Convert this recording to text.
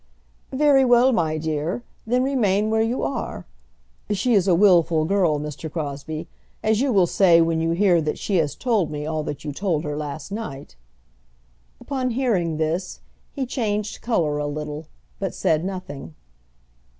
"Very well, my dear; then remain where you are. She is a wilful girl, Mr. Crosbie; as you will say when you hear that she has told me all that you told her last night." Upon hearing this, he changed colour a little, but said nothing.